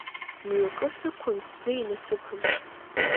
Мҩакы сықәын, сзы инасыԥын.